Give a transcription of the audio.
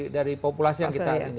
dari populasi yang kita ini